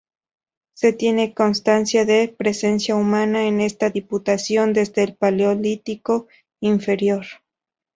Se tiene constancia de presencia humana en esta diputación desde el Paleolítico Inferior.